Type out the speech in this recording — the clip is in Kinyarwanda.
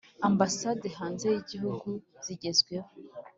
Ambasade hanze y igihugu zigezwaho